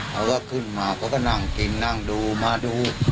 ก็ได้ขึ้นมาแล้วก็นั่งกินนั่งดูมันดู